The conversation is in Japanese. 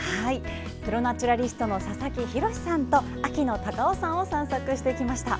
プロ・ナチュラリストの佐々木洋さんと秋の高尾山を散策してきました。